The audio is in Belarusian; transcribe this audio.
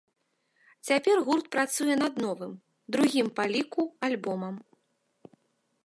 Цяпер гурт працуе над новым, другім па ліку, альбомам.